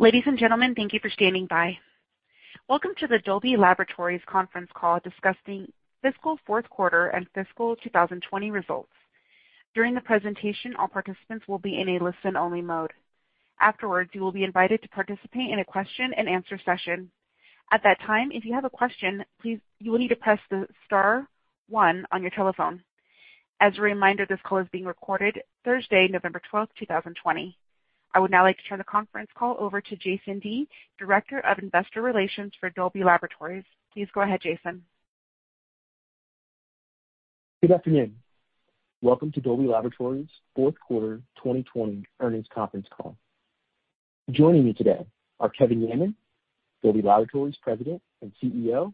Ladies and gentlemen, thank you for standing by. Welcome to the Dolby Laboratories conference call discussing fiscal fourth quarter and fiscal 2020 results. During the presentation, all participants will be in a listen-only mode. Afterwards, you will be invited to participate in a question-and-answer session. At that time, if you have a question, you will need to press the star one on your telephone. As a reminder, this call is being recorded Thursday, November 12th, 2020. I would now like to turn the conference call over to Jason Dea, Director of Investor Relations for Dolby Laboratories. Please go ahead, Jason. Good afternoon. Welcome to Dolby Laboratories' fourth quarter 2020 earnings conference call. Joining me today are Kevin Yeaman, Dolby Laboratories President and CEO,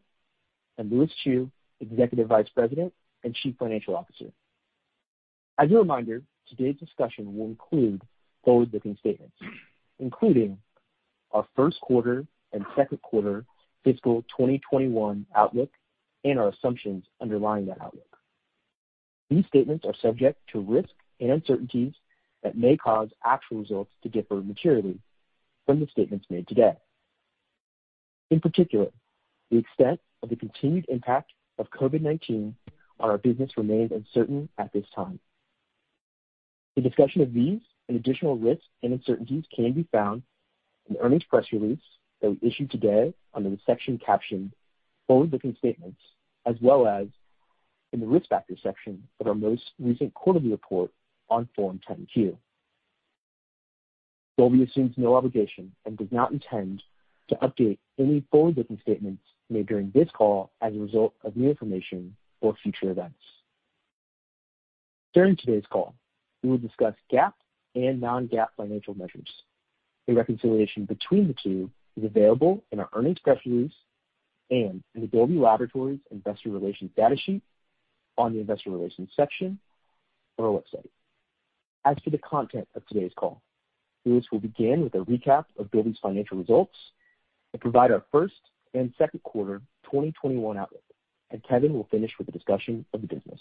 and Lewis Chew, Executive Vice President and Chief Financial Officer. As a reminder, today's discussion will include forward-looking statements, including our first quarter and second quarter fiscal 2021 outlook and our assumptions underlying that outlook. These statements are subject to risks and uncertainties that may cause actual results to differ materially from the statements made today. In particular, the extent of the continued impact of COVID-19 on our business remains uncertain at this time. A discussion of these and additional risks and uncertainties can be found in the earnings press release that we issued today under the section captioned Forward-Looking Statements, as well as in the Risk Factors section of our most recent quarterly report on Form 10-Q. Dolby assumes no obligation and does not intend to update any forward-looking statements made during this call as a result of new information or future events. During today's call, we will discuss GAAP and non-GAAP financial measures. A reconciliation between the two is available in our earnings press release and in the Dolby Laboratories investor relations data sheet on the investor relations section of our website. As for the content of today's call, Lewis will begin with a recap of Dolby's financial results and provide our first and second quarter 2021 outlook, Kevin will finish with a discussion of the business.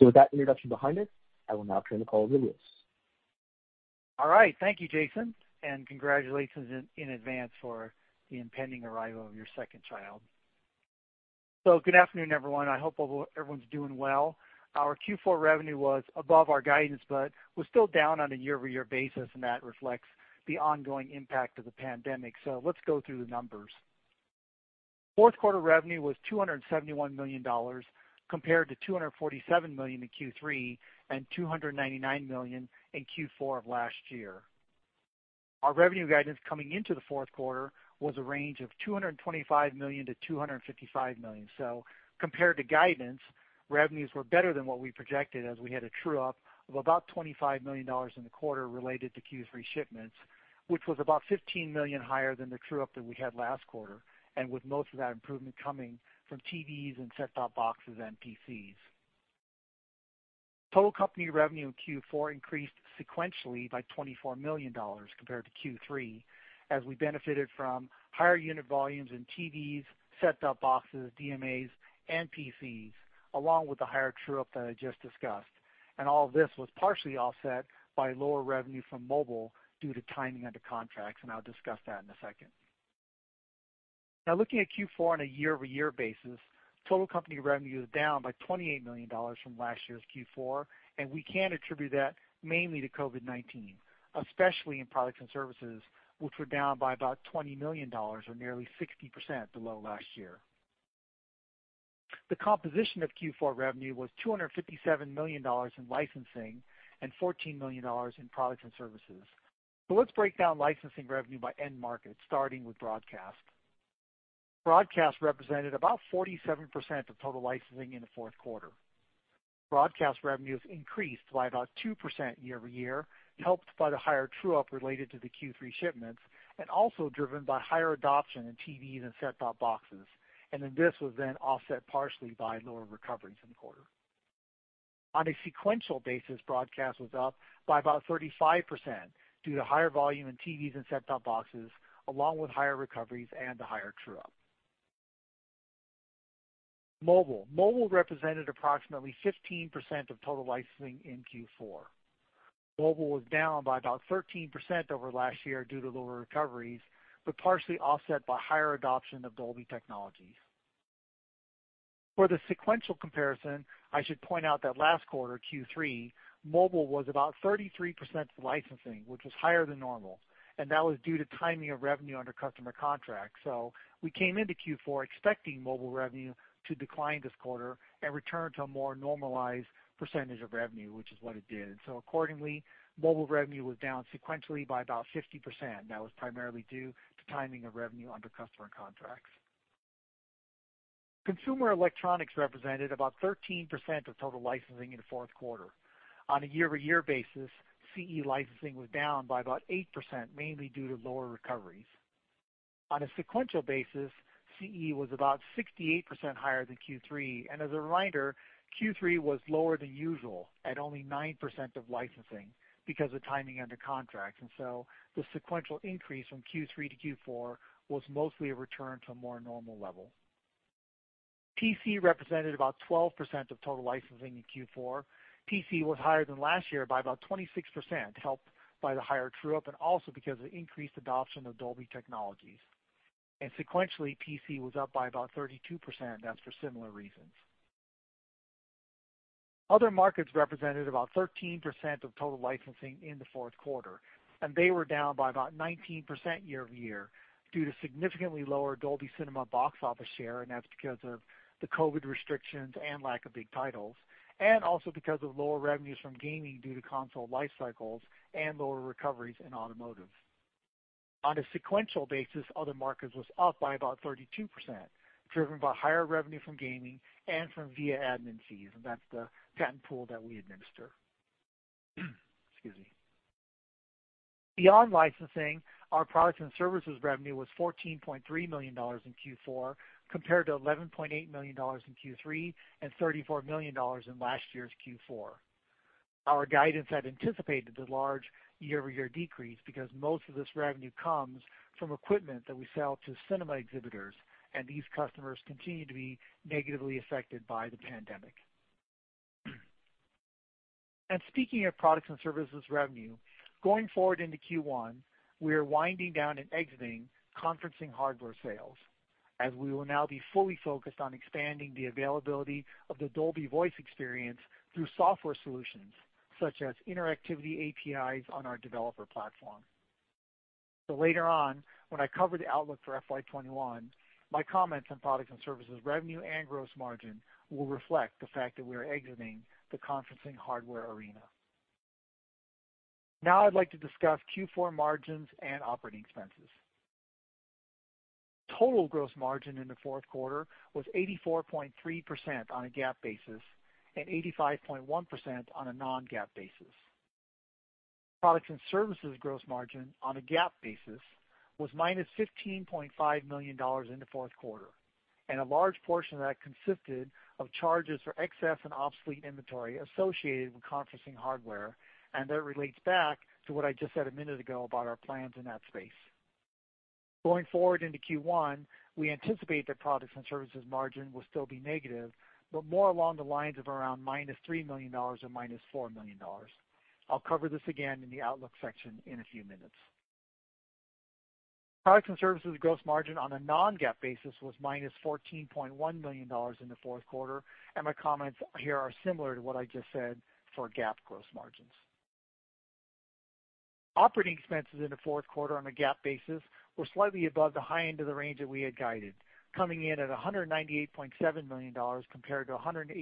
With that introduction behind us, I will now turn the call over to Lewis. All right. Thank you, Jason, and congratulations in advance for the impending arrival of your second child. Good afternoon, everyone. I hope everyone's doing well. Our Q4 revenue was above our guidance, but was still down on a year-over-year basis, that reflects the ongoing impact of the pandemic. Let's go through the numbers. Fourth quarter revenue was $271 million, compared to $247 million in Q3 and $299 million in Q4 of last year. Our revenue guidance coming into the fourth quarter was a range of $225 million to $255 million. Compared to guidance, revenues were better than what we projected as we had a true-up of about $25 million in the quarter related to Q3 shipments, which was about $15 million higher than the true-up that we had last quarter, with most of that improvement coming from TVs and set-top boxes and PCs. Total company revenue in Q4 increased sequentially by $24 million compared to Q3, as we benefited from higher unit volumes in TVs, set-top boxes, DMAs and PCs, along with the higher true-up that I just discussed. All of this was partially offset by lower revenue from mobile due to timing under contracts, and I'll discuss that in a second. Looking at Q4 on a year-over-year basis, total company revenue is down by $28 million from last year's Q4, and we can attribute that mainly to COVID-19, especially in products and services, which were down by about $20 million or nearly 60% below last year. The composition of Q4 revenue was $257 million in licensing and $14 million in products and services. Let's break down licensing revenue by end market, starting with broadcast. Broadcast represented about 47% of total licensing in the fourth quarter. Broadcast revenues increased by about 2% year-over-year, helped by the higher true-up related to the Q3 shipments and also driven by higher adoption in TVs and set-top boxes, this was then offset partially by lower recoveries in the quarter. On a sequential basis, broadcast was up by about 35% due to higher volume in TVs and set-top boxes, along with higher recoveries and a higher true-up. Mobile represented approximately 15% of total licensing in Q4. Mobile was down by about 13% over last year due to lower recoveries, partially offset by higher adoption of Dolby technologies. For the sequential comparison, I should point out that last quarter, Q3, mobile was about 33% of licensing, which was higher than normal, that was due to timing of revenue under customer contracts. We came into Q4 expecting mobile revenue to decline this quarter and return to a more normalized percentage of revenue, which is what it did. Accordingly, mobile revenue was down sequentially by about 50%. That was primarily due to timing of revenue under customer contracts. Consumer Electronics represented about 13% of total licensing in the fourth quarter. On a year-over-year basis, CE licensing was down by about 8%, mainly due to lower recoveries. On a sequential basis, CE was about 68% higher than Q3, and as a reminder, Q3 was lower than usual at only 9% of licensing because of timing under contracts, the sequential increase from Q3 to Q4 was mostly a return to a more normal level. PC represented about 12% of total licensing in Q4. PC was higher than last year by about 26%, helped by the higher true-up and also because of increased adoption of Dolby technologies. Sequentially, PC was up by about 32%, that's for similar reasons. Other markets represented about 13% of total licensing in the fourth quarter, and they were down by about 19% year-over-year due to significantly lower Dolby Cinema box office share, and that's because of the COVID restrictions and lack of big titles, and also because of lower revenues from gaming due to console life cycles and lower recoveries in automotive. On a sequential basis, other markets was up by about 32%, driven by higher revenue from gaming and from VIA admin fees, and that's the patent pool that we administer. Excuse me. Beyond licensing, our products and services revenue was $14.3 million in Q4 compared to $11.8 million in Q3 and $34 million in last year's Q4. Our guidance had anticipated the large year-over-year decrease because most of this revenue comes from equipment that we sell to cinema exhibitors, and these customers continue to be negatively affected by the pandemic. Speaking of products and services revenue, going forward into Q1, we are winding down and exiting conferencing hardware sales as we will now be fully focused on expanding the availability of the Dolby Voice experience through software solutions such as Interactivity APIs on our developer platform. Later on, when I cover the outlook for FY 2021, my comments on products and services revenue and gross margin will reflect the fact that we're exiting the conferencing hardware arena. Now I'd like to discuss Q4 margins and operating expenses. Total gross margin in the fourth quarter was 84.3% on a GAAP basis and 85.1% on a non-GAAP basis. Products and services gross margin on a GAAP basis was -$15.5 million in the fourth quarter, and a large portion of that consisted of charges for excess and obsolete inventory associated with conferencing hardware, and that relates back to what I just said a minute ago about our plans in that space. Going forward into Q1, we anticipate that products and services margin will still be negative, but more along the lines of around -$3 million or -$4 million. I'll cover this again in the outlook section in a few minutes. Products and services gross margin on a non-GAAP basis was -$14.1 million in the fourth quarter, and my comments here are similar to what I just said for GAAP gross margins. Operating expenses in the fourth quarter on a GAAP basis were slightly above the high end of the range that we had guided, coming in at $198.7 million compared to $182.9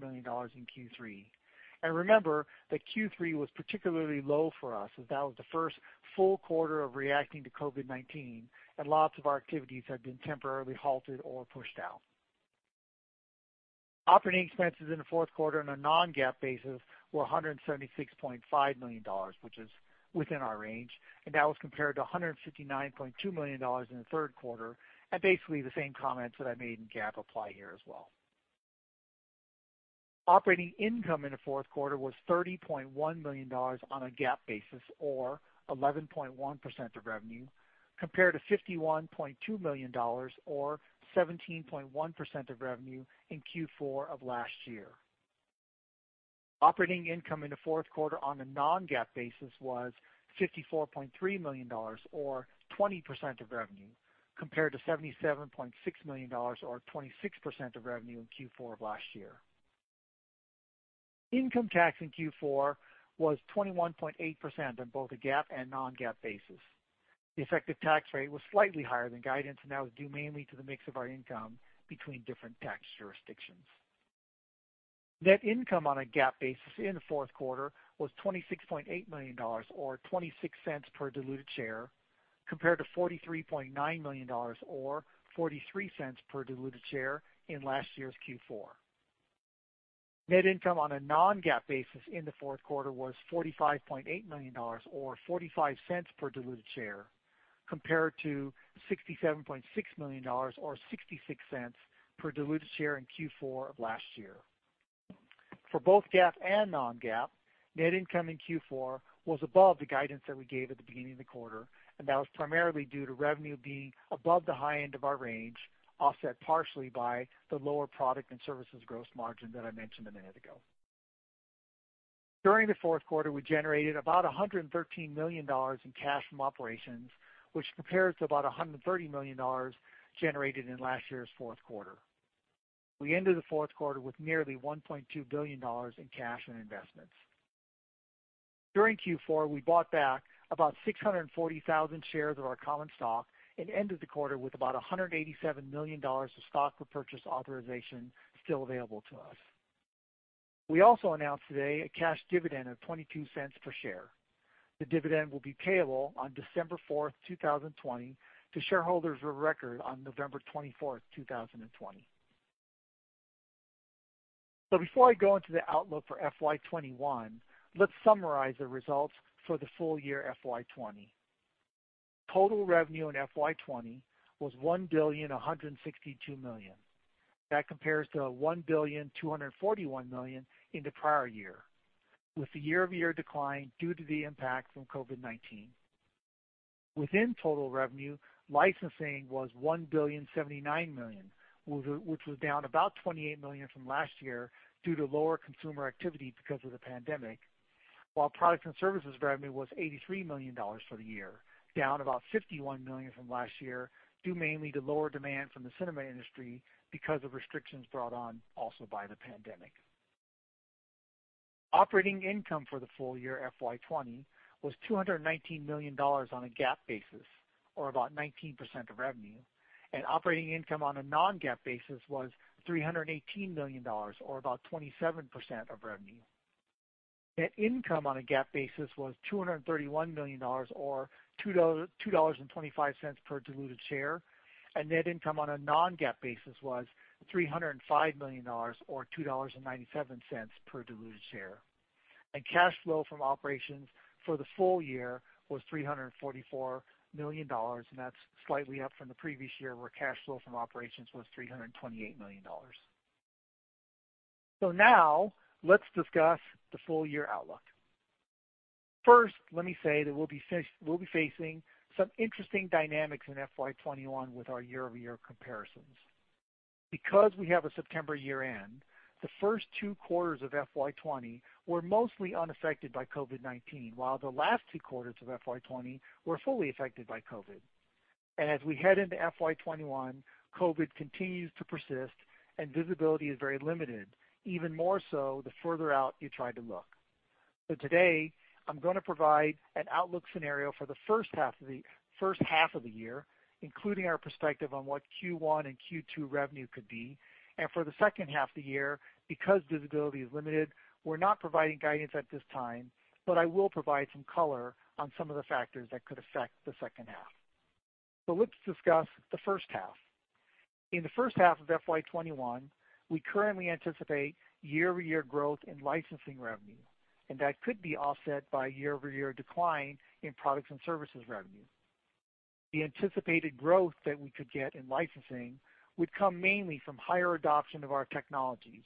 million in Q3. Remember that Q3 was particularly low for us as that was the first full quarter of reacting to COVID-19 and lots of our activities had been temporarily halted or pushed out. Operating expenses in the fourth quarter on a non-GAAP basis were $176.5 million, which is within our range, and that was compared to $159.2 million in the third quarter, and basically the same comments that I made in GAAP apply here as well. Operating income in the fourth quarter was $30.1 million on a GAAP basis or 11.1% of revenue, compared to $51.2 million or 17.1% of revenue in Q4 of last year. Operating income in the fourth quarter on a non-GAAP basis was $54.3 million or 20% of revenue, compared to $77.6 million or 26% of revenue in Q4 of last year. Income tax in Q4 was 21.8% on both a GAAP and non-GAAP basis. The effective tax rate was slightly higher than guidance, that was due mainly to the mix of our income between different tax jurisdictions. Net income on a GAAP basis in the fourth quarter was $26.8 million or $0.26 per diluted share, compared to $43.9 million or $0.43 per diluted share in last year's Q4. Net income on a non-GAAP basis in the fourth quarter was $45.8 million or $0.45 per diluted share, compared to $67.6 million or $0.66 per diluted share in Q4 of last year. For both GAAP and non-GAAP, net income in Q4 was above the guidance that we gave at the beginning of the quarter, and that was primarily due to revenue being above the high end of our range, offset partially by the lower product and services gross margin that I mentioned a minute ago. During the fourth quarter, we generated about $113 million in cash from operations, which compares to about $130 million generated in last year's fourth quarter. We ended the fourth quarter with nearly $1.2 billion in cash and investments. During Q4, we bought back about 640,000 shares of our common stock and ended the quarter with about $187 million of stock repurchase authorization still available to us. We also announced today a cash dividend of $0.22 per share. The dividend will be payable on December 4th, 2020 to shareholders of record on November 24th, 2020. Before I go into the outlook for FY 2021, let's summarize the results for the full year FY 2020. Total revenue in FY 2020 was $1162 million. That compares to $1241 million in the prior year, with the year-over-year decline due to the impact from COVID-19. Within total revenue, licensing was $1,079 million, which was down about $28 million from last year due to lower consumer activity because of the pandemic. Products and services revenue was $83 million for the year, down about $51 million from last year, due mainly to lower demand from the cinema industry because of restrictions brought on also by the pandemic. Operating income for the full year FY 2020 was $219 million on a GAAP basis, or about 19% of revenue. Operating income on a non-GAAP basis was $318 million, or about 27% of revenue. Net income on a GAAP basis was $231 million, or $2.25 per diluted share. Net income on a non-GAAP basis was $305 million, or $2.97 per diluted share. Cash flow from operations for the full year was $344 million, and that's slightly up from the previous year, where cash flow from operations was $328 million. Now let's discuss the full year outlook. First, let me say that we'll be facing some interesting dynamics in FY 2021 with our year-over-year comparisons. Because we have a September year-end, the first two quarters of FY 2020 were mostly unaffected by COVID-19, while the last two quarters of FY 2020 were fully affected by COVID. As we head into FY 2021, COVID continues to persist and visibility is very limited, even more so the further out you try to look. Today, I'm going to provide an outlook scenario for the first half of the year, including our perspective on what Q1 and Q2 revenue could be. For the second half of the year, because visibility is limited, we're not providing guidance at this time, but I will provide some color on some of the factors that could affect the second half. Let's discuss the first half. In the first half of FY 2021, we currently anticipate year-over-year growth in licensing revenue, and that could be offset by year-over-year decline in products and services revenue. The anticipated growth that we could get in licensing would come mainly from higher adoption of our technologies,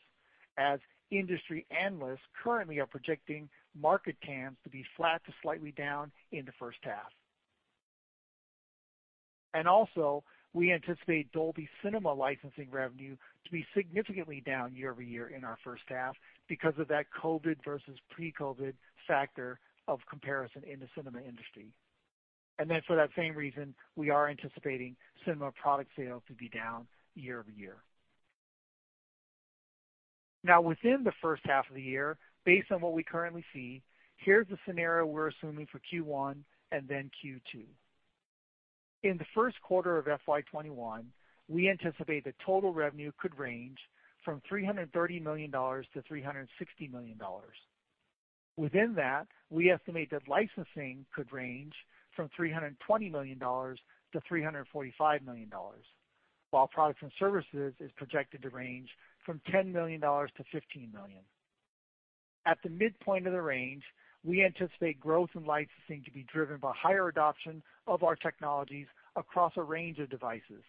as industry analysts currently are projecting market TAMs to be flat to slightly down in the first half. Also, we anticipate Dolby Cinema licensing revenue to be significantly down year-over-year in our first half because of that COVID versus pre-COVID factor of comparison in the cinema industry. For that same reason, we are anticipating cinema product sales to be down year-over-year. Within the first half of the year, based on what we currently see, here's the scenario we're assuming for Q1 and then Q2. In the first quarter of FY 2021, we anticipate that total revenue could range from $330 million to $360 million. Within that, we estimate that licensing could range from $320 million to $345 million. While products and services is projected to range from $10 million to $15 million. At the midpoint of the range, we anticipate growth in licensing to be driven by higher adoption of our technologies across a range of devices.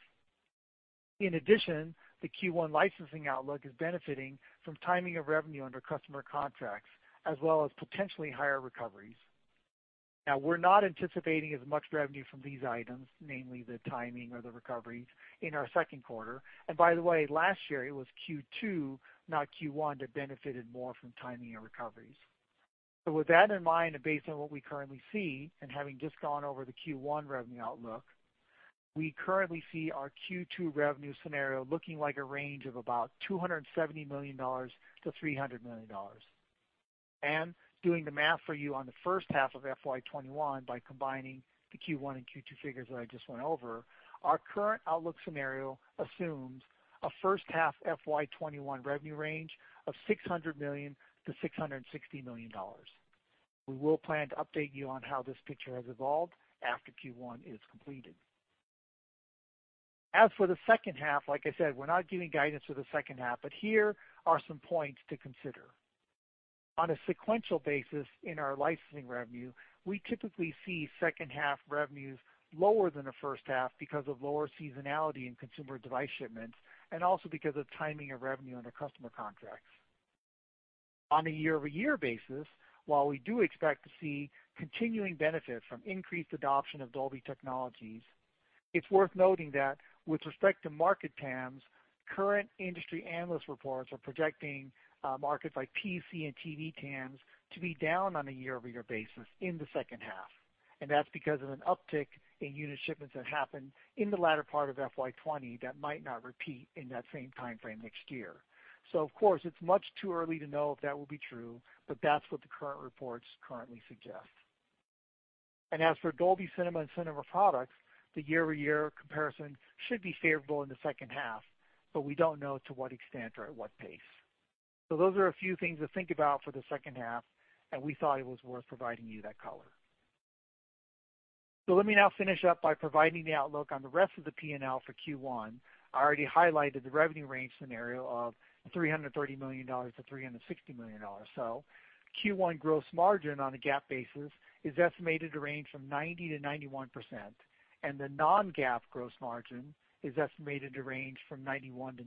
In addition, the Q1 licensing outlook is benefiting from timing of revenue under customer contracts, as well as potentially higher recoveries. We're not anticipating as much revenue from these items, namely the timing or the recoveries, in our second quarter. By the way, last year it was Q2, not Q1, that benefited more from timing and recoveries. With that in mind and based on what we currently see, and having just gone over the Q1 revenue outlook, we currently see our Q2 revenue scenario looking like a range of about $270 million to $300 million. Doing the math for you on the first half of FY 2021 by combining the Q1 and Q2 figures that I just went over, our current outlook scenario assumes a first half FY 2021 revenue range of $600-660 million. We will plan to update you on how this picture has evolved after Q1 is completed. As for the second half, like I said, we're not giving guidance for the second half, but here are some points to consider. On a sequential basis in our licensing revenue, we typically see second half revenues lower than the first half because of lower seasonality in consumer device shipments and also because of timing of revenue under customer contracts. On a year-over-year basis, while we do expect to see continuing benefits from increased adoption of Dolby technologies, it's worth noting that with respect to market TAMs, current industry analyst reports are projecting markets like PC and TV TAMs to be down on a year-over-year basis in the second half. That's because of an uptick in unit shipments that happened in the latter part of FY 2020 that might not repeat in that same timeframe next year. Of course, it's much too early to know if that will be true, but that's what the current reports currently suggest. As for Dolby Cinema and cinema products, the year-over-year comparison should be favorable in the second half, but we don't know to what extent or at what pace. Those are a few things to think about for the second half, and we thought it was worth providing you that color. Let me now finish up by providing the outlook on the rest of the P&L for Q1. I already highlighted the revenue range scenario of $330 million-$360 million. Q1 gross margin on a GAAP basis is estimated to range from 90%-91%, and the non-GAAP gross margin is estimated to range from 91%-92%.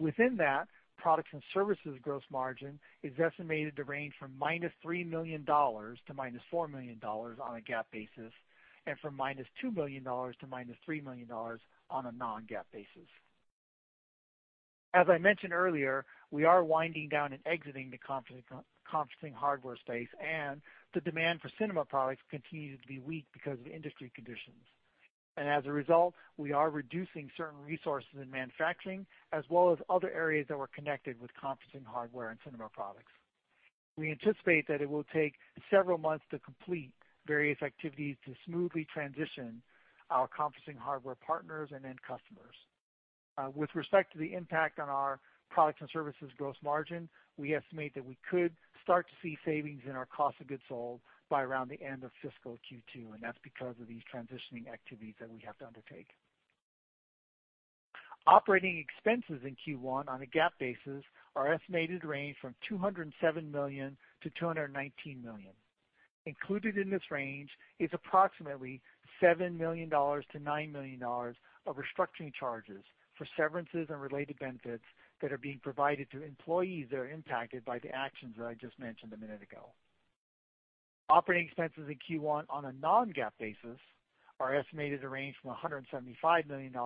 Within that, products and services gross margin is estimated to range from -$3 million to -$4 million on a GAAP basis, and from -$2 million to -$3 million on a non-GAAP basis. As I mentioned earlier, we are winding down and exiting the conferencing hardware space, the demand for cinema products continues to be weak because of industry conditions. As a result, we are reducing certain resources in manufacturing as well as other areas that were connected with conferencing hardware and cinema products. We anticipate that it will take several months to complete various activities to smoothly transition our conferencing hardware partners and end customers. With respect to the impact on our products and services gross margin, we estimate that we could start to see savings in our cost of goods sold by around the end of fiscal Q2, that's because of these transitioning activities that we have to undertake. Operating expenses in Q1 on a GAAP basis are estimated to range from $207 million to $219 million. Included in this range is approximately $7 million to $9 million of restructuring charges for severances and related benefits that are being provided to employees that are impacted by the actions that I just mentioned a minute ago. Operating expenses in Q1 on a non-GAAP basis are estimated to range from $175 million to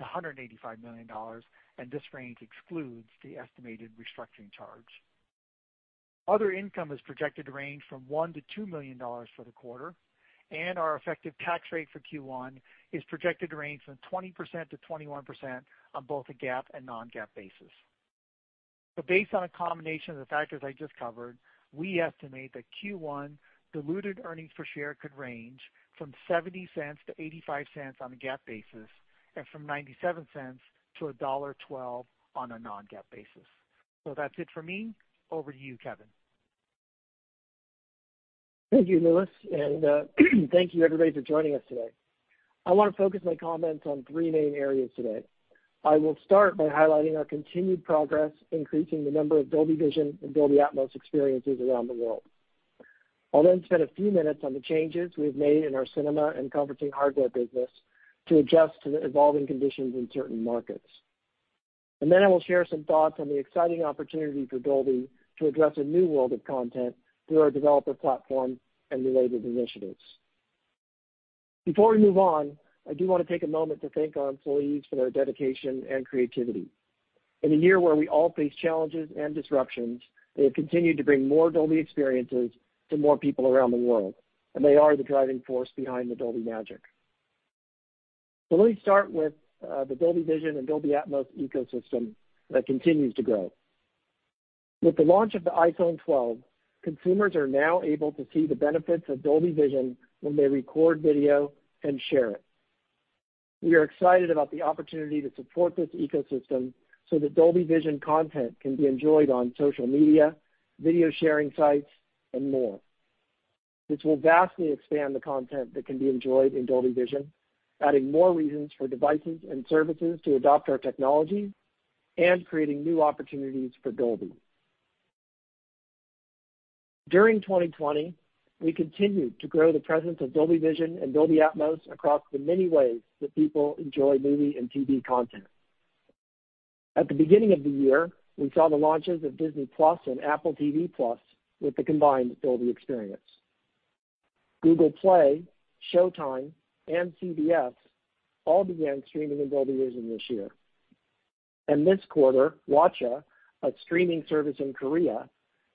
$185 million. This range excludes the estimated restructuring charge. Other income is projected to range from $1-2 million for the quarter. Our effective tax rate for Q1 is projected to range from 20%-21% on both a GAAP and non-GAAP basis. Based on a combination of the factors I just covered, we estimate that Q1 diluted earnings per share could range from $0.70 to $0.85 on a GAAP basis, and from $0.97 to $1.12 on a non-GAAP basis. That's it for me. Over to you, Kevin. Thank you, Lewis, thank you everybody for joining us today. I want to focus my comments on three main areas today. I will start by highlighting our continued progress increasing the number of Dolby Vision and Dolby Atmos experiences around the world. I'll spend a few minutes on the changes we have made in our cinema and conferencing hardware business to adjust to the evolving conditions in certain markets. I will share some thoughts on the exciting opportunity for Dolby to address a new world of content through our developer platform and related initiatives. Before we move on, I do want to take a moment to thank our employees for their dedication and creativity. In a year where we all faced challenges and disruptions, they have continued to bring more Dolby experiences to more people around the world, and they are the driving force behind the Dolby magic. Let me start with the Dolby Vision and Dolby Atmos ecosystem that continues to grow. With the launch of the iPhone 12, consumers are now able to see the benefits of Dolby Vision when they record video and share it. We are excited about the opportunity to support this ecosystem so that Dolby Vision content can be enjoyed on social media, video sharing sites, and more. This will vastly expand the content that can be enjoyed in Dolby Vision, adding more reasons for devices and services to adopt our technology and creating new opportunities for Dolby. During 2020, we continued to grow the presence of Dolby Vision and Dolby Atmos across the many ways that people enjoy movie and TV content. At the beginning of the year, we saw the launches of Disney+ and Apple TV+ with the combined Dolby experience. Google Play, Showtime, and CBS all began streaming in Dolby Vision this year. This quarter, Watcha, a streaming service in Korea,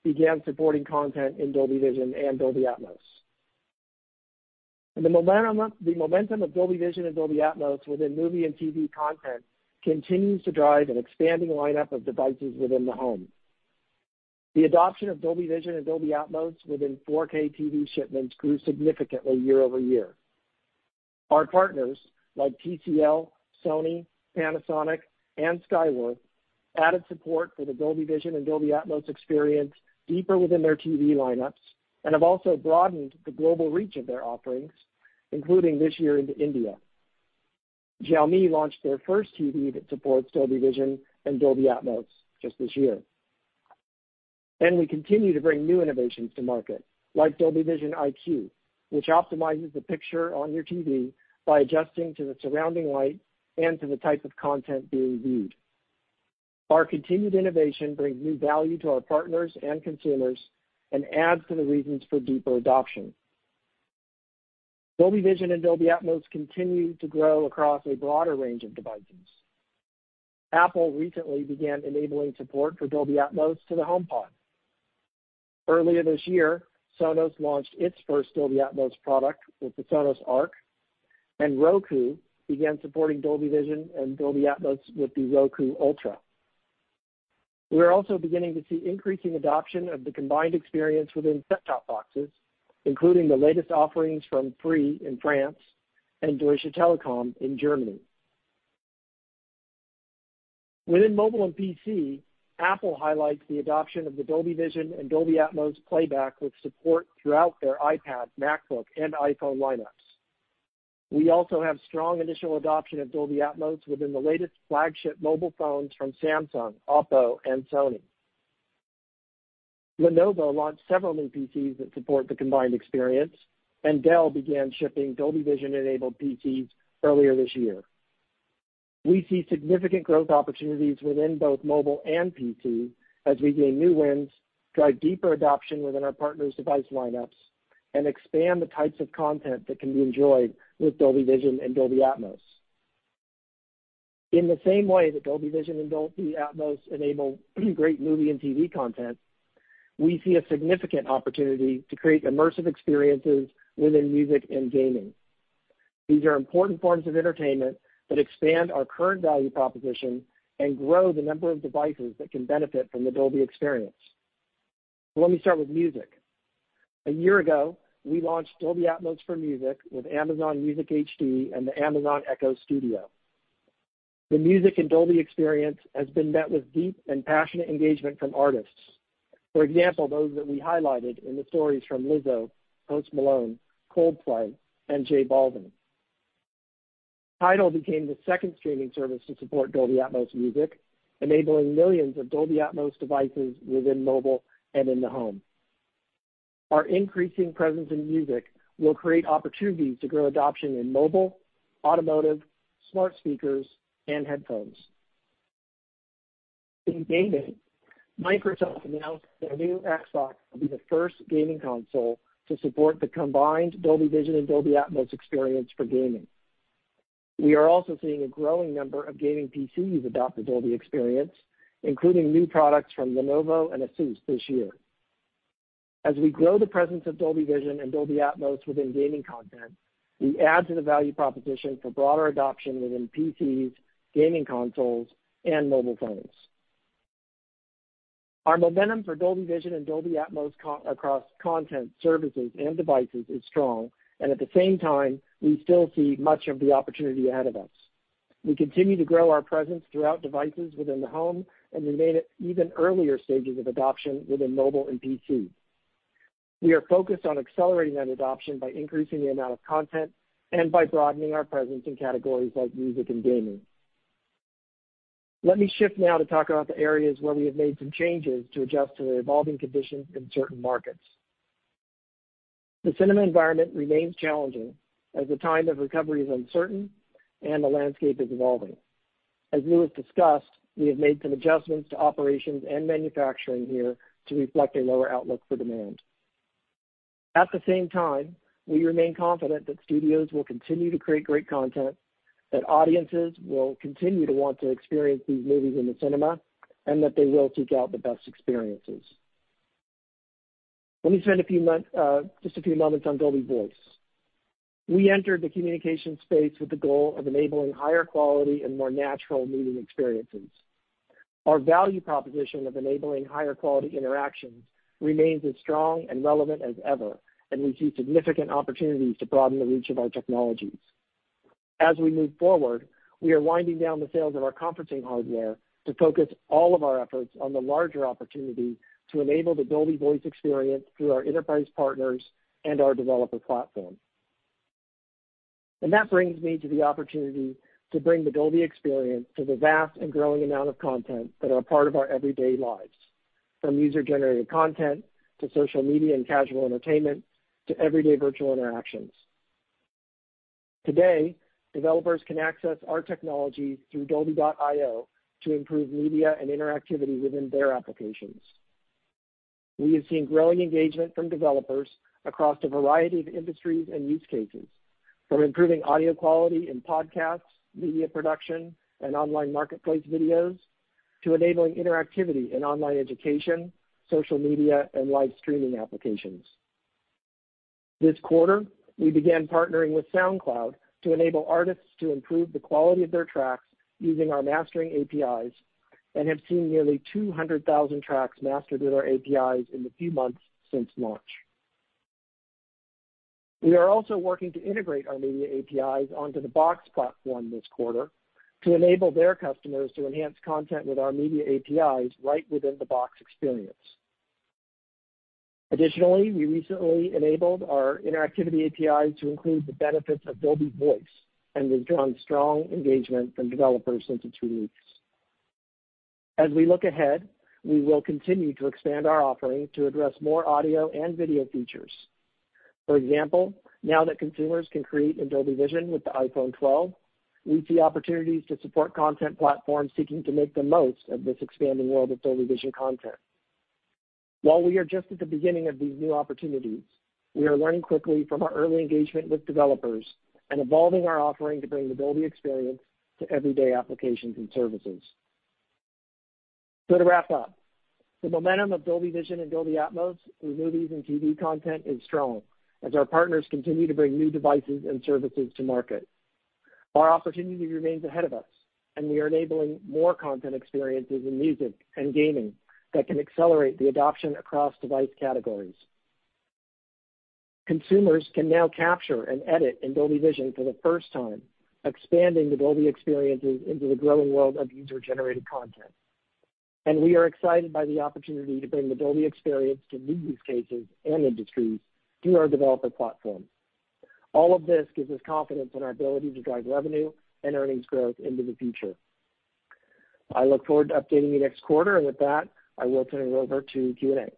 began supporting content in Dolby Vision and Dolby Atmos. The momentum of Dolby Vision and Dolby Atmos within movie and TV content continues to drive an expanding lineup of devices within the home. The adoption of Dolby Vision and Dolby Atmos within 4K TV shipments grew significantly year-over-year. Our partners, like TCL, Sony, Panasonic, and Skyworth, added support for the Dolby Vision and Dolby Atmos experience deeper within their TV lineups and have also broadened the global reach of their offerings, including this year into India. Xiaomi launched their first TV that supports Dolby Vision and Dolby Atmos just this year. We continue to bring new innovations to market, like Dolby Vision IQ, which optimizes the picture on your TV by adjusting to the surrounding light and to the type of content being viewed. Our continued innovation brings new value to our partners and consumers and adds to the reasons for deeper adoption. Dolby Vision and Dolby Atmos continue to grow across a broader range of devices. Apple recently began enabling support for Dolby Atmos to the HomePod. Earlier this year, Sonos launched its first Dolby Atmos product with the Sonos Arc, and Roku began supporting Dolby Vision and Dolby Atmos with the Roku Ultra. We are also beginning to see increasing adoption of the combined experience within set-top boxes, including the latest offerings from Free in France and Deutsche Telekom in Germany. Within mobile and PC, Apple highlights the adoption of the Dolby Vision and Dolby Atmos playback with support throughout their iPad, MacBook, and iPhone lineups. We also have strong initial adoption of Dolby Atmos within the latest flagship mobile phones from Samsung, OPPO, and Sony. Lenovo launched several new PCs that support the combined experience, and Dell began shipping Dolby Vision-enabled PCs earlier this year. We see significant growth opportunities within both mobile and PC as we gain new wins, drive deeper adoption within our partners' device lineups, and expand the types of content that can be enjoyed with Dolby Vision and Dolby Atmos. In the same way that Dolby Vision and Dolby Atmos enable great movie and TV content, we see a significant opportunity to create immersive experiences within music and gaming. These are important forms of entertainment that expand our current value proposition and grow the number of devices that can benefit from the Dolby experience. Let me start with music. A year ago, we launched Dolby Atmos for music with Amazon Music HD and the Amazon Echo Studio. The music and Dolby experience has been met with deep and passionate engagement from artists, for example, those that we highlighted in the stories from Lizzo, Post Malone, Coldplay, and J Balvin. Tidal became the second streaming service to support Dolby Atmos Music, enabling millions of Dolby Atmos devices within mobile and in the home. Our increasing presence in music will create opportunities to grow adoption in mobile, automotive, smart speakers, and headphones. In gaming, Microsoft announced their new Xbox will be the first gaming console to support the combined Dolby Vision and Dolby Atmos experience for gaming. We are also seeing a growing number of gaming PCs adopt the Dolby experience, including new products from Lenovo and ASUS this year. As we grow the presence of Dolby Vision and Dolby Atmos within gaming content, we add to the value proposition for broader adoption within PCs, gaming consoles, and mobile phones. Our momentum for Dolby Vision and Dolby Atmos across content services and devices is strong, and at the same time, we still see much of the opportunity ahead of us. We continue to grow our presence throughout devices within the home and remain at even earlier stages of adoption within mobile and PC. We are focused on accelerating that adoption by increasing the amount of content and by broadening our presence in categories like music and gaming. Let me shift now to talk about the areas where we have made some changes to adjust to the evolving conditions in certain markets. The cinema environment remains challenging as the time of recovery is uncertain and the landscape is evolving. As Lewis discussed, we have made some adjustments to operations and manufacturing here to reflect a lower outlook for demand. At the same time, we remain confident that studios will continue to create great content, that audiences will continue to want to experience these movies in the cinema, and that they will seek out the best experiences. Let me spend just a few moments on Dolby Voice. We entered the communication space with the goal of enabling higher quality and more natural meeting experiences. Our value proposition of enabling higher quality interactions remains as strong and relevant as ever, and we see significant opportunities to broaden the reach of our technologies. As we move forward, we are winding down the sales of our conferencing hardware to focus all of our efforts on the larger opportunity to enable the Dolby Voice experience through our enterprise partners and our developer platform. That brings me to the opportunity to bring the Dolby experience to the vast and growing amount of content that are a part of our everyday lives, from user-generated content to social media and casual entertainment, to everyday virtual interactions. Today, developers can access our technology through Dolby.io to improve media and interactivity within their applications. We have seen growing engagement from developers across a variety of industries and use cases, from improving audio quality in podcasts, media production, and online marketplace videos to enabling interactivity in online education, social media, and live streaming applications. This quarter, we began partnering with SoundCloud to enable artists to improve the quality of their tracks using our mastering APIs and have seen nearly 200,000 tracks mastered with our APIs in the few months since March. We are also working to integrate our media APIs onto the Box platform this quarter to enable their customers to enhance content with our media APIs right within the Box experience. Additionally, we recently enabled our interactivity API to include the benefits of Dolby Voice, and we've drawn strong engagement from developers since its release. As we look ahead, we will continue to expand our offering to address more audio and video features. For example, now that consumers can create in Dolby Vision with the iPhone 12, we see opportunities to support content platforms seeking to make the most of this expanding world of Dolby Vision content. While we are just at the beginning of these new opportunities, we are learning quickly from our early engagement with developers and evolving our offering to bring the Dolby experience to everyday applications and services. To wrap up, the momentum of Dolby Vision and Dolby Atmos through movies and TV content is strong as our partners continue to bring new devices and services to market. Our opportunity remains ahead of us, and we are enabling more content experiences in music and gaming that can accelerate the adoption across device categories. Consumers can now capture and edit in Dolby Vision for the first time, expanding the Dolby experiences into the growing world of user-generated content. We are excited by the opportunity to bring the Dolby experience to new use cases and industries through our developer platform. All of this gives us confidence in our ability to drive revenue and earnings growth into the future. I look forward to updating you next quarter, and with that, I will turn it over to Q&A.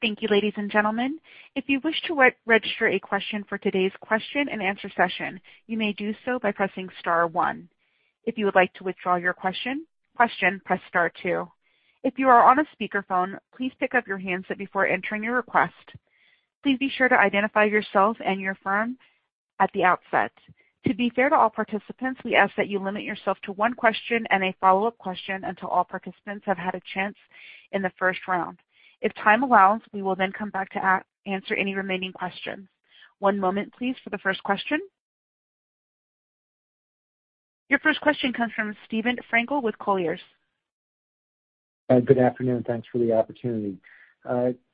Thank you, ladies and gentlemen. If you wish to register a question for today's question and answer session, you may do so by pressing star one. If you would like to withdraw your question, press star two. If you are on a speakerphone, please pick up your handset before entering your request. Please be sure to identify yourself and your firm at the outset. To be fair to all participants, we ask that you limit yourself to one question and a follow-up question until all participants have had a chance in the first round. If time allows, we will then come back to answer any remaining questions. One moment please for the first question. Your first question comes from Steven Frankel with Colliers. Good afternoon. Thanks for the opportunity.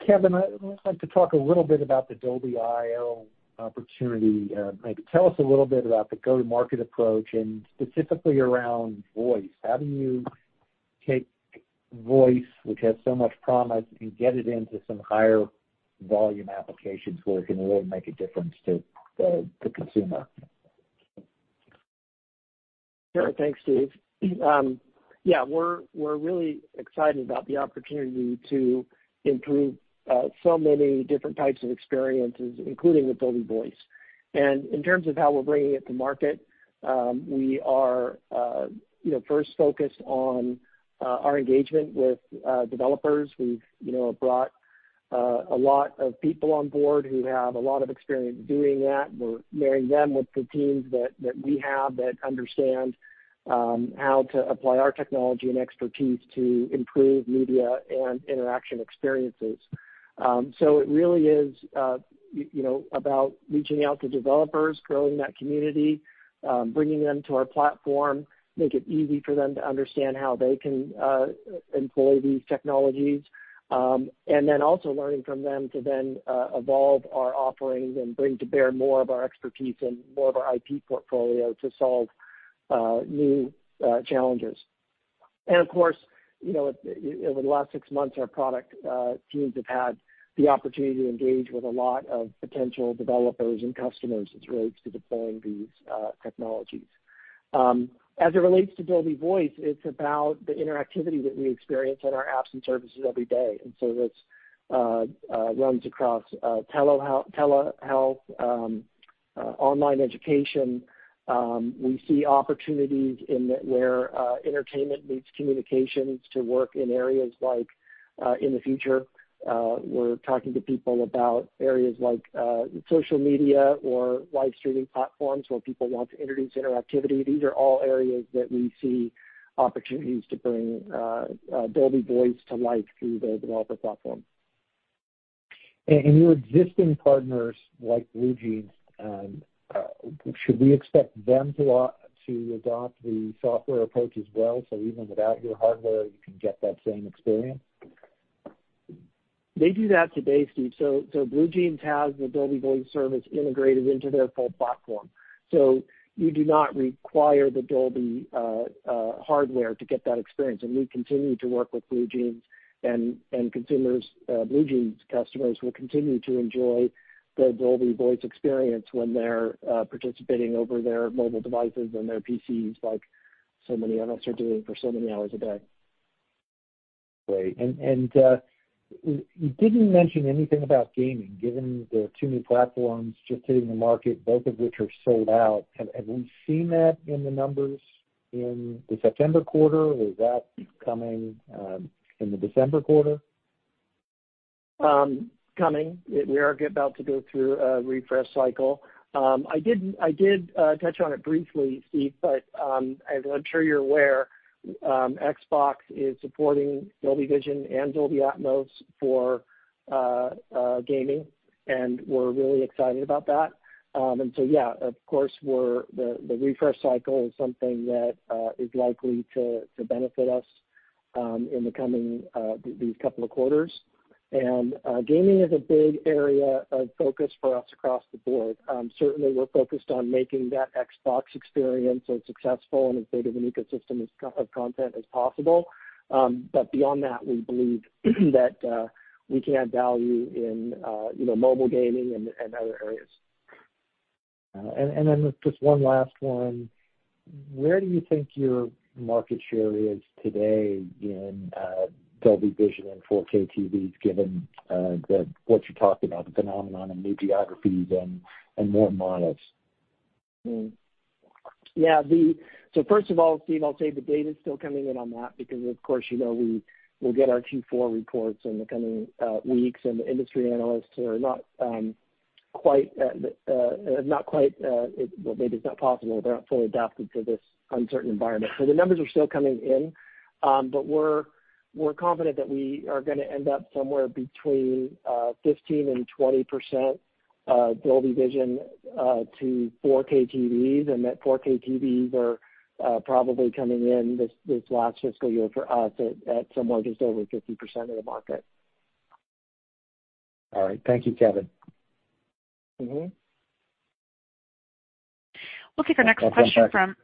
Kevin, I'd like to talk a little bit about the Dolby.io opportunity. Maybe tell us a little bit about the go-to-market approach and specifically around voice. How do you take voice, which has so much promise, and get it into some higher volume applications where it can really make a difference to the consumer? Sure. Thanks, Steve. Yeah, we're really excited about the opportunity to improve so many different types of experiences, including with Dolby Voice. In terms of how we're bringing it to market, we are first focused on our engagement with developers. We've brought a lot of people on board who have a lot of experience doing that. We're marrying them with the teams that we have that understand how to apply our technology and expertise to improve media and interaction experiences. It really is about reaching out to developers, growing that community, bringing them to our platform, make it easy for them to understand how they can employ these technologies, and then also learning from them to then evolve our offerings and bring to bear more of our expertise and more of our IP portfolio to solve new challenges. Of course, over the last six months, our product teams have had the opportunity to engage with a lot of potential developers and customers as it relates to deploying these technologies. As it relates to Dolby Voice, it's about the interactivity that we experience in our apps and services every day. This runs across telehealth, online education. We see opportunities where entertainment meets communications to work in areas like in the future. We're talking to people about areas like social media or live streaming platforms where people want to introduce interactivity. These are all areas that we see opportunities to bring Dolby Voice to life through the developer platform. Your existing partners like BlueJeans, should we expect them to adopt the software approach as well, so even without your hardware, you can get that same experience? They do that today, Steve. BlueJeans has the Dolby Voice service integrated into their full platform. You do not require the Dolby hardware to get that experience. We continue to work with BlueJeans and BlueJeans customers will continue to enjoy the Dolby Voice experience when they're participating over their mobile devices and their PCs, like so many of us are doing for so many hours a day. Great. You didn't mention anything about gaming. Given the two new platforms just hitting the market, both of which are sold out, have we seen that in the numbers in the September quarter, or is that coming in the December quarter? Coming. We are about to go through a refresh cycle. I did touch on it briefly, Steve, but as I'm sure you're aware, Xbox is supporting Dolby Vision and Dolby Atmos for gaming. We're really excited about that. Yeah, of course, the refresh cycle is something that is likely to benefit us in these coming couple of quarters. Gaming is a big area of focus for us across the board. Certainly, we're focused on making that Xbox experience as successful and as big of an ecosystem of content as possible. Beyond that, we believe that we can add value in mobile gaming and other areas. Then just one last one. Where do you think your market share is today in Dolby Vision and 4K TVs, given what you're talking about, the phenomenon in new geographies and more models? First of all, Steve, I'll say the data is still coming in on that because of course, we'll get our Q4 reports in the coming weeks. The industry analysts are not quite, well, maybe it's not possible. They're not fully adapted to this uncertain environment. The numbers are still coming in. We're confident that we are going to end up somewhere between 15% and 20% Dolby Vision to 4K TVs, and that 4K TVs are probably coming in this last fiscal year for us at somewhere just over 50% of the market. All right. Thank you, Kevin. We'll take our next question from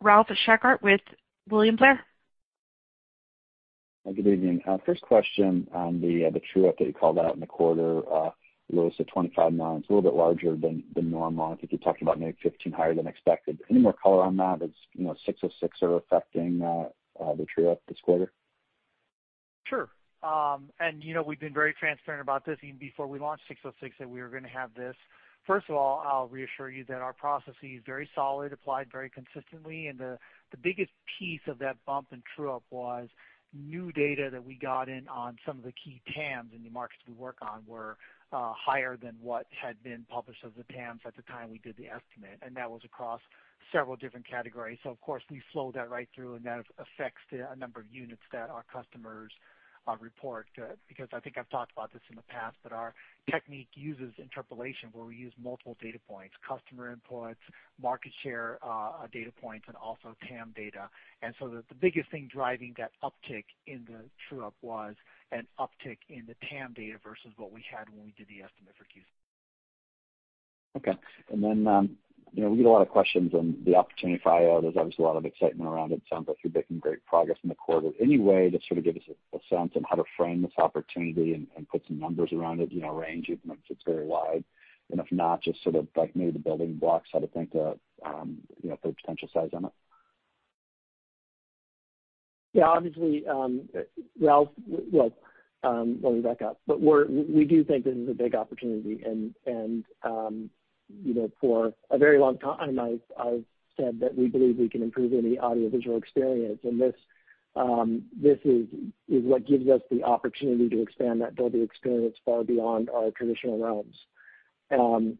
Ralph Schackart with William Blair. Good evening. First question on the true-up that you called out in the quarter, Lewis, the $25 million, it's a little bit larger than normal. I think you're talking about maybe $15 higher than expected. Any more color on that? Is ASC 606 affecting the true-up this quarter? Sure. We've been very transparent about this, even before we launched ASC 606, that we were going to have this. First of all, I'll reassure you that our processes very solid, applied very consistently, and the biggest piece of that bump in true-up was new data that we got in on some of the key TAMs in the markets we work on were higher than what had been published as the TAMs at the time we did the estimate, and that was across several different categories. Of course, we flow that right through and that affects the number of units that our customers report. I think I've talked about this in the past, but our technique uses interpolation where we use multiple data points, customer inputs, market share data points, and also TAM data. The biggest thing driving that uptick in the true-up was an uptick in the TAM data versus what we had when we did the estimate for Q- Okay. Then, we get a lot of questions on the opportunity for IO. There's obviously a lot of excitement around it, sounds like you're making great progress in the quarter. Any way to sort of give us a sense on how to frame this opportunity and put some numbers around it, range it if it's very wide. If not, just sort of like maybe the building blocks, how to think of the potential size on it. Yeah. Well, let me back up. We do think this is a big opportunity. For a very long time, I've said that we believe we can improve any audiovisual experience. This is what gives us the opportunity to expand that Dolby experience far beyond our traditional realms.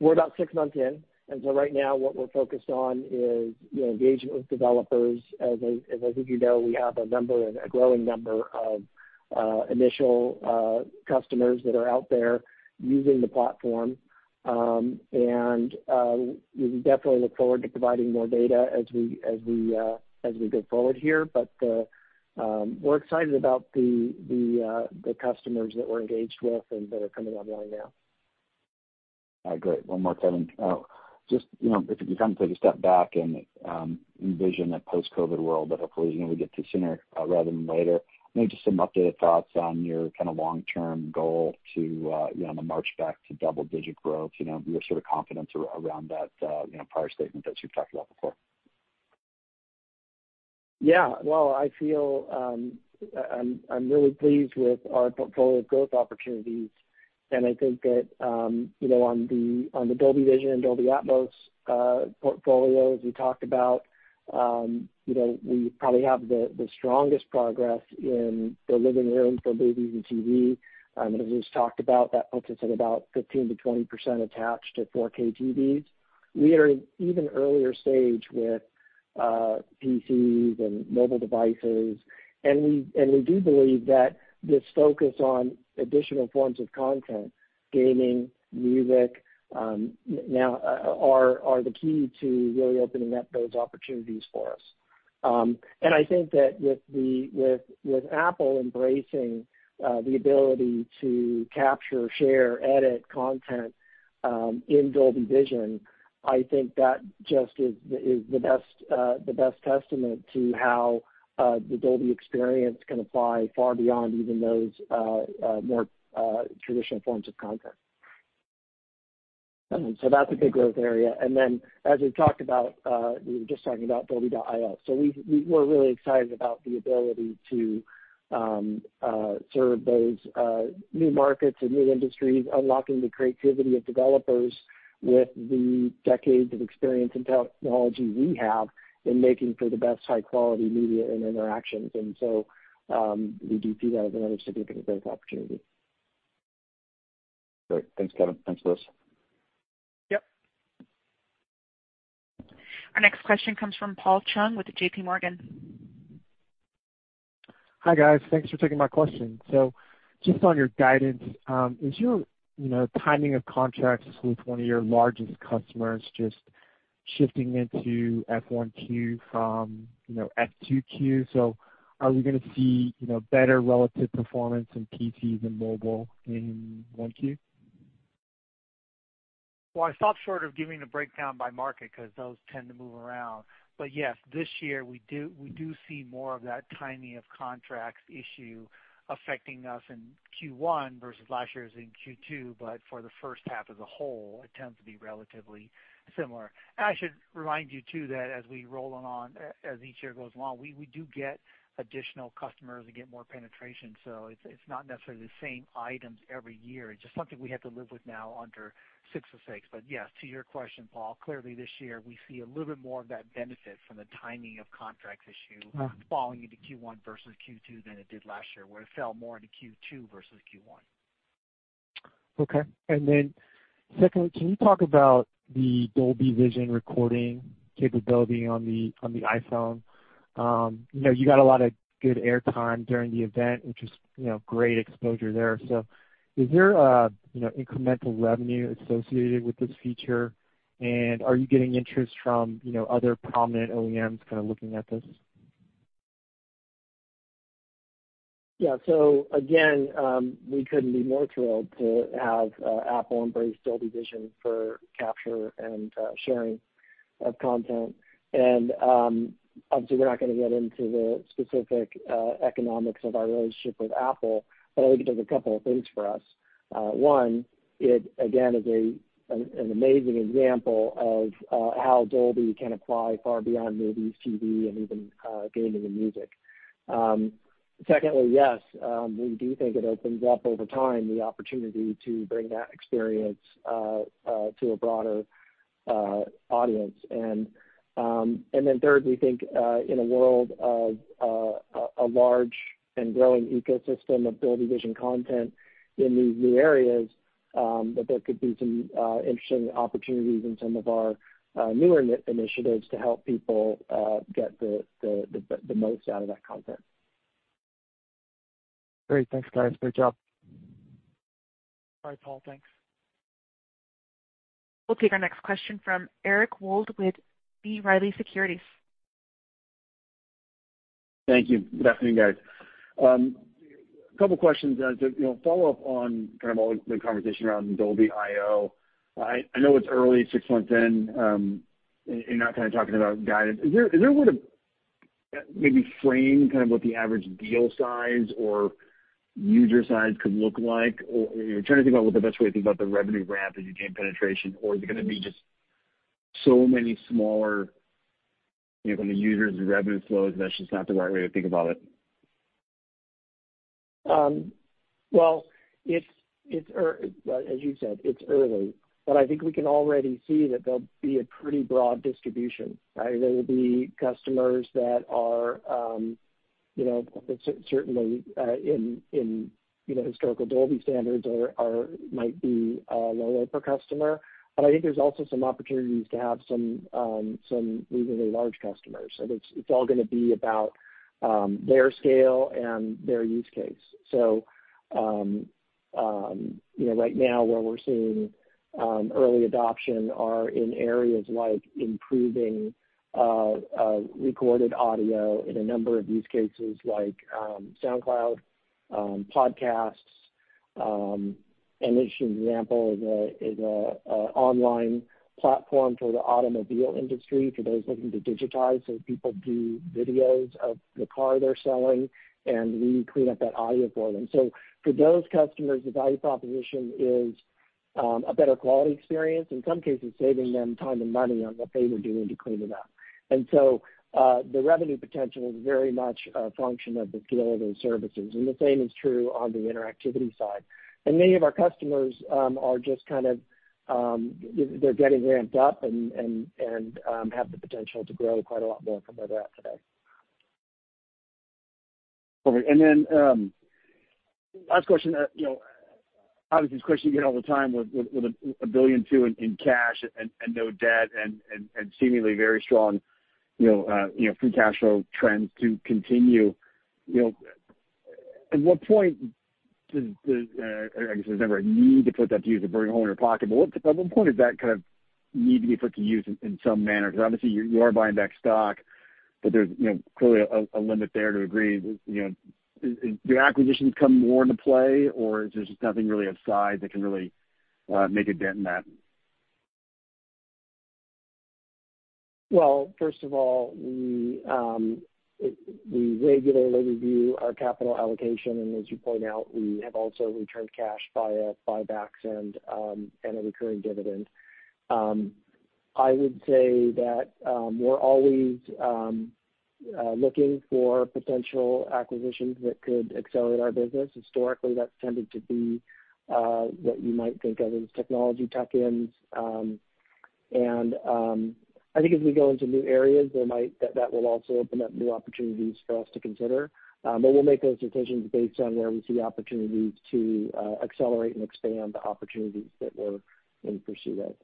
We're about six months in, and so right now what we're focused on is engagement with developers. As I think you know, we have a growing number of initial customers that are out there using the platform. We definitely look forward to providing more data as we go forward here. We're excited about the customers that we're engaged with and that are coming online now. All right, great. One more, Kevin. Just, if you kind of take a step back and envision a post-COVID world that hopefully we get to sooner rather than later, maybe just some updated thoughts on your kind of long-term goal to on the march back to double-digit growth, your sort of confidence around that prior statement that you've talked about before. Yeah, well, I feel I'm really pleased with our portfolio growth opportunities, and I think that on the Dolby Vision and Dolby Atmos portfolios, we talked about we probably have the strongest progress in the living room for TV. As Lewis talked about, that puts us at about 15%-20% attached to 4K TVs. We are at an even earlier stage with PCs and mobile devices. We do believe that this focus on additional forms of content, gaming, music, now are the key to really opening up those opportunities for us. I think that with Apple embracing the ability to capture, share, edit content in Dolby Vision, I think that just is the best testament to how the Dolby experience can apply far beyond even those more traditional forms of content. That's a big growth area. As we've talked about, we were just talking about Dolby.io. We're really excited about the ability to serve those new markets and new industries, unlocking the creativity of developers with the decades of experience and technology we have in making for the best high-quality media and interactions. We do see that as another significant growth opportunity. Great. Thanks, Kevin. Thanks, Lewis. Yep. Our next question comes from Paul Chung with J.P. Morgan. Hi, guys. Thanks for taking my question. Just on your guidance, is your timing of contracts with one of your largest customers just shifting into FQ1 from FQ2? Are we going to see better relative performance in PCs and mobile in Q1? Well, I stopped short of giving the breakdown by market because those tend to move around. Yes, this year we do see more of that timing of contracts issue affecting us in Q1 versus last year's in Q2. For the first half as a whole, it tends to be relatively similar. I should remind you, too, that as we roll on, as each year goes along, we do get additional customers. We get more penetration. It's not necessarily the same items every year. It's just something we have to live with now under ASC 606. Yes, to your question, Paul, clearly this year, we see a little bit more of that benefit from the timing of contracts issue falling into Q1 versus Q2 than it did last year, where it fell more into Q2 versus Q1. Okay. Secondly, can you talk about the Dolby Vision recording capability on the iPhone? You got a lot of good air time during the event, which was great exposure there. Is there incremental revenue associated with this feature, and are you getting interest from other prominent OEMs kind of looking at this? Yeah. Again, we couldn't be more thrilled to have Apple embrace Dolby Vision for capture and sharing of content. Obviously, we're not going to get into the specific economics of our relationship with Apple, but I think it does a couple of things for us. One, it again, is an amazing example of how Dolby can apply far beyond movies, TV, and even gaming and music. Secondly, yes, we do think it opens up over time the opportunity to bring that experience to a broader audience. Third, we think, in a world of a large and growing ecosystem of Dolby Vision content in these new areas, that there could be some interesting opportunities in some of our newer initiatives to help people get the most out of that content. Great. Thanks, guys. Great job. Bye, Paul. Thanks. We'll take our next question from Eric Wold with B. Riley Securities. Thank you. Good afternoon, guys. A couple questions. As a follow-up on kind of all the conversation around Dolby.io. I know it's early, six months in, and you're not kind of talking about guidance. Is there a way to maybe frame kind of what the average deal size or user size could look like? Trying to think about what the best way to think about the revenue ramp as you gain penetration? Is it going to be just so many smaller kind of users and revenue flows that's just not the right way to think about it? Well, as you said, it's early, but I think we can already see that there'll be a pretty broad distribution, right? There will be customers that are certainly in historical Dolby standards might be lower per customer. I think there's also some opportunities to have some reasonably large customers. It's all going to be about their scale and their use case. Right now, where we're seeing early adoption are in areas like improving recorded audio in a number of use cases like SoundCloud, podcasts. An interesting example is an online platform for the automobile industry, for those looking to digitize. People do videos of the car they're selling, and we clean up that audio for them. For those customers, the value proposition is a better quality experience, in some cases, saving them time and money on what they were doing to clean it up. The revenue potential is very much a function of the scale of those services. The same is true on the interactivity side. Many of our customers are just kind of getting ramped up and have the potential to grow quite a lot more from where they're at today. Perfect. Then last question. Obviously, this is a question you get all the time with $1.2 billion in cash and no debt and seemingly very strong free cash flow trends to continue. At what point does I guess there's never a need to put that to use or burn a hole in your pocket, but at what point does that kind of need to be put to use in some manner? Because obviously you are buying back stock, but there's clearly a limit there to a degree. Do acquisitions come more into play, or is there just nothing really of size that can really make a dent in that? Well, first of all, we regularly review our capital allocation, and as you point out, we have also returned cash via buybacks and a recurring dividend. I would say that we're always looking for potential acquisitions that could accelerate our business. Historically, that's tended to be what you might think of as technology tuck-ins. I think as we go into new areas, that will also open up new opportunities for us to consider. We'll make those decisions based on where we see opportunities to accelerate and expand the opportunities that we're in pursuit of.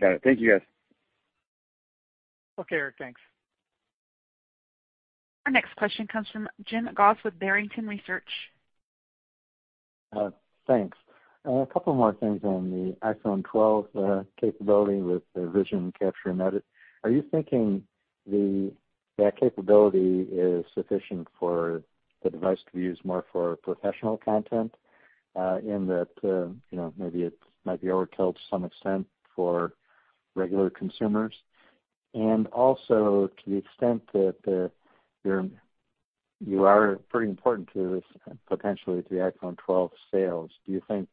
Got it. Thank you, guys. Okay, Eric. Thanks. Our next question comes from Jim Goss with Barrington Research. Thanks. A couple more things on the iPhone 12 capability with the Dolby Vision capture and edit. Are you thinking that capability is sufficient for the device to be used more for professional content, in that maybe it might be overkill to some extent for regular consumers? Also, to the extent that you are pretty important potentially to the iPhone 12 sales, do you think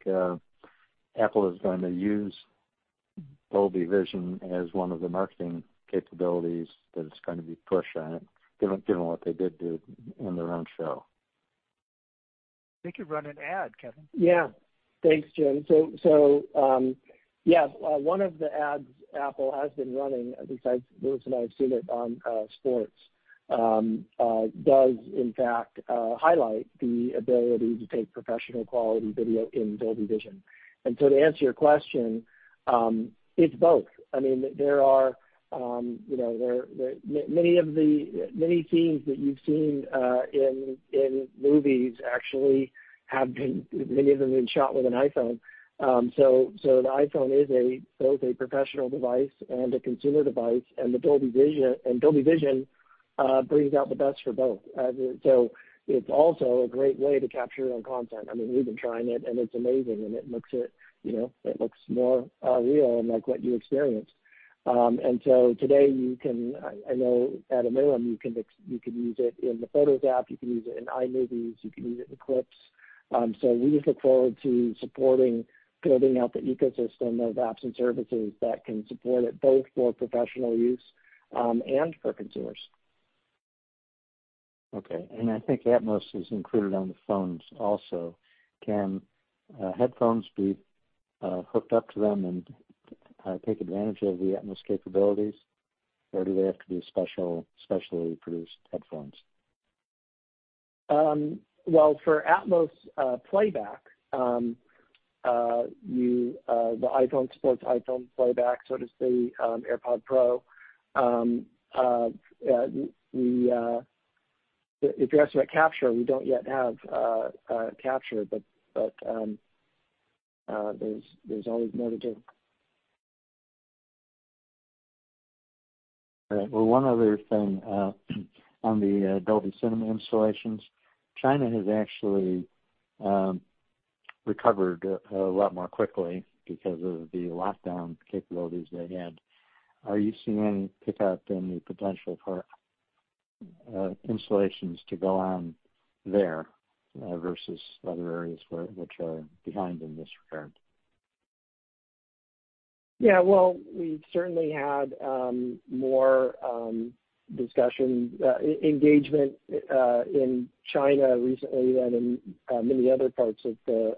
Apple is going to use Dolby Vision as one of the marketing capabilities that it's going to be pushing on it, given what they did do on their own show? They could run an ad, Kevin. Yeah. Thanks, Jim. Yeah, one of the ads Apple has been running, at least I, Lewis and I have seen it on sports, does in fact highlight the ability to take professional quality video in Dolby Vision. To answer your question, it's both. Many scenes that you've seen in movies actually, many of them have been shot with an iPhone. The iPhone is both a professional device and a consumer device, and Dolby Vision brings out the best for both. It's also a great way to capture your own content. We've been trying it's amazing, it looks more real and like what you experience. Today, I know at a minimum, you can use it in the Photos app, you can use it in iMovie, you can use it in Clips. We look forward to supporting building out the ecosystem of apps and services that can support it, both for professional use and for consumers. Okay. I think Atmos is included on the phones also. Can headphones be hooked up to them and take advantage of the Atmos capabilities, or do they have to be specially produced headphones? Well, for Atmos playback, the iPhone supports iPhone playback, so does the AirPods Pro. If you're asking about capture, we don't yet have capture, but there's always more to do. All right. Well, one other thing. On the Dolby Cinema installations, China has actually recovered a lot more quickly because of the lockdown capabilities they had. Are you seeing pickup in the potential for installations to go on there versus other areas which are behind in this regard? Well, we've certainly had more discussion, engagement in China recently than in many other parts of the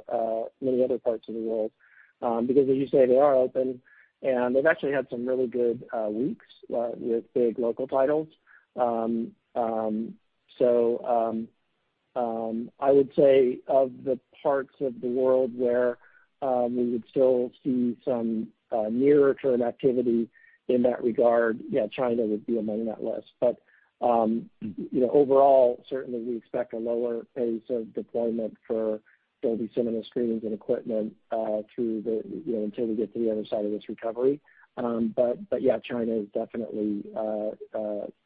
world. As you say, they are open, and they've actually had some really good weeks with big local titles. I would say of the parts of the world where we would still see some nearer term activity in that regard, China would be among that list. Overall, certainly we expect a lower pace of deployment for Dolby Cinema screens and equipment until we get to the other side of this recovery. China is definitely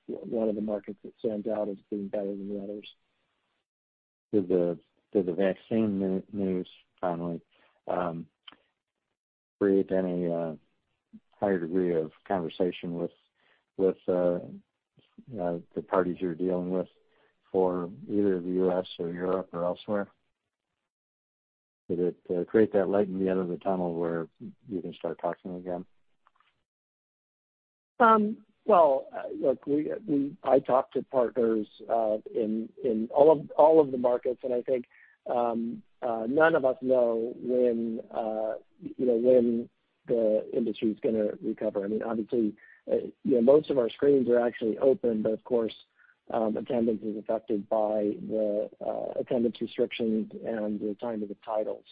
one of the markets that stands out as doing better than the others. Did the vaccine news finally create any higher degree of conversation with the parties you're dealing with for either the U.S. or Europe or elsewhere? Did it create that light in the end of the tunnel where you can start talking again? Well, look, I talk to partners in all of the markets, I think none of us know when the industry's going to recover. Obviously, most of our screens are actually open, but of course, attendance is affected by the attendance restrictions and the time of the title.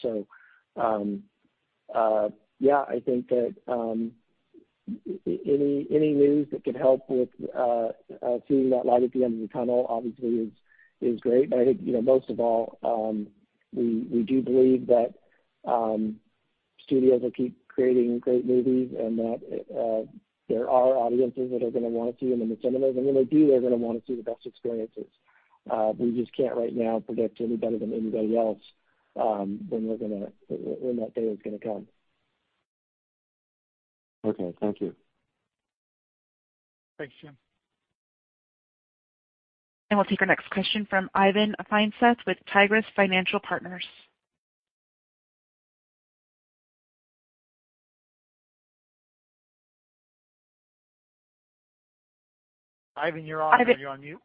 Yeah, I think that any news that could help with seeing that light at the end of the tunnel obviously is great. I think, most of all, we do believe that studios will keep creating great movies and that there are audiences that are going to want to see them in cinemas. When they do, they're going to want to see the best experiences. We just can't right now predict any better than anybody else when that day is going to come. Okay. Thank you. Thanks, Jim. We'll take our next question from Ivan Feinseth with Tigress Financial Partners. Ivan, you're on mute.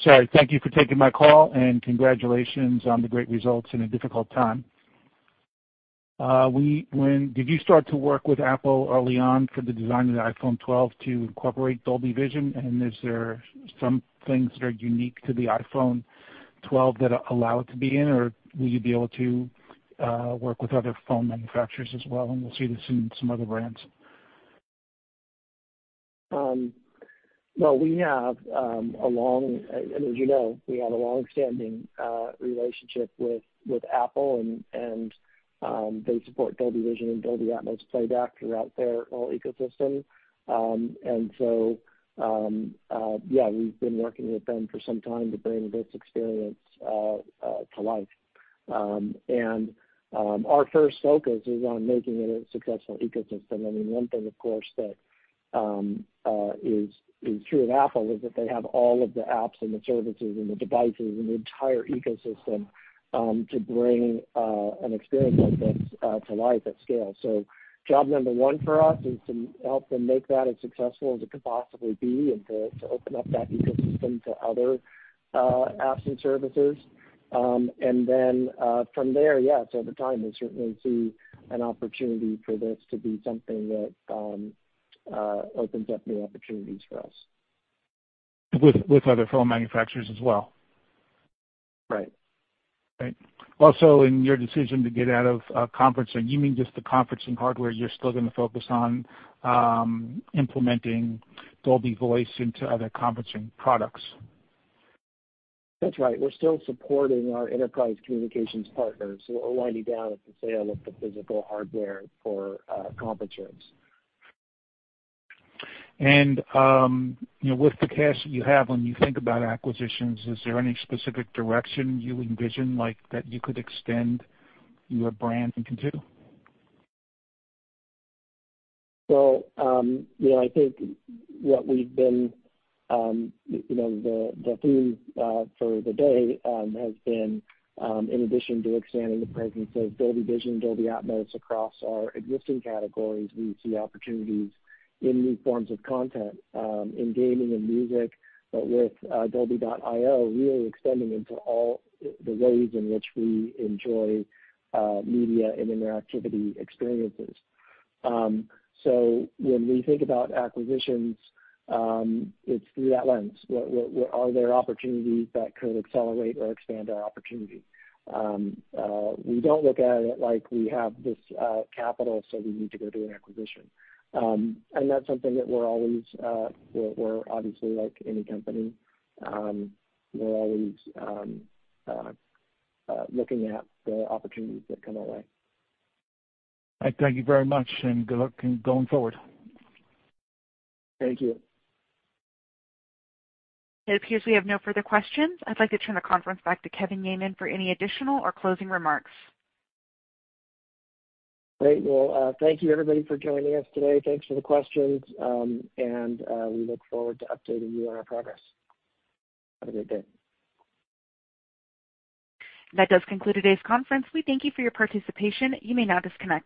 Sorry. Thank you for taking my call, and congratulations on the great results in a difficult time. Did you start to work with Apple early on for the design of the iPhone 12 to incorporate Dolby Vision? Is there some things that are unique to the iPhone 12 that allow it to be in, or will you be able to work with other phone manufacturers as well, and we'll see this in some other brands? Well, as you know, we have a longstanding relationship with Apple. They support Dolby Vision and Dolby Atmos playback throughout their whole ecosystem. Yeah, we've been working with them for some time to bring this experience to life. Our first focus is on making it a successful ecosystem. One thing, of course, that is true at Apple is that they have all of the apps and the services and the devices and the entire ecosystem to bring an experience like this to life at scale. Job number one for us is to help them make that as successful as it could possibly be and to open up that ecosystem to other apps and services. From there, yeah, over time, we certainly see an opportunity for this to be something that opens up new opportunities for us. With other phone manufacturers as well? Right. Great. Also, in your decision to get out of conferencing, you mean just the conferencing hardware, you're still going to focus on implementing Dolby Voice into other conferencing products? That's right. We're still supporting our enterprise communications partners. We're winding down the sale of the physical hardware for conference rooms. With the cash that you have, when you think about acquisitions, is there any specific direction you envision that you could extend your brand into? I think the theme for the day has been, in addition to expanding the presence of Dolby Vision and Dolby Atmos across our existing categories, we see opportunities in new forms of content, in gaming and music, but with Dolby.io, really extending into all the ways in which we enjoy media and interactivity experiences. When we think about acquisitions, it's through that lens. Are there opportunities that could accelerate or expand our opportunity? We don't look at it like we have this capital, so we need to go do an acquisition. That's something that we're obviously like any company, we're always looking at the opportunities that come our way. Thank you very much, and good luck going forward. Thank you. It appears we have no further questions. I'd like to turn the conference back to Kevin Yeaman for any additional or closing remarks. Great. Well, thank you everybody for joining us today. Thanks for the questions, and we look forward to updating you on our progress. Have a great day. That does conclude today's conference. We thank you for your participation. You may now disconnect.